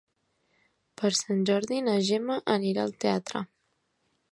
Per Sant Jordi na Gemma anirà al teatre.